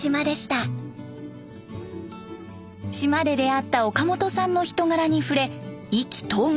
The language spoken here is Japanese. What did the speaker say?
島で出会った岡本さんの人柄に触れ意気投合。